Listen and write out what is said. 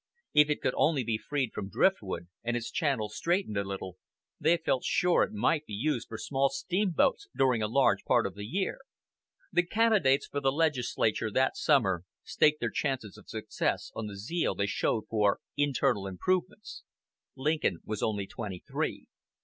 If it could only be freed from driftwood, and its channel straightened a little, they felt sure it might be used for small steamboats during a large part of the year. The candidates for the legislature that summer staked their chances of success on the zeal they showed for "internal improvements." Lincoln was only twenty three.